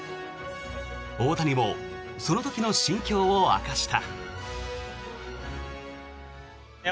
大谷もその時の心境を明かした。